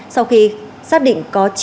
sau khi xác định có chín ổ dịch này